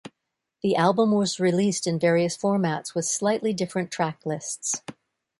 The album was released in various formats with slightly different track lists.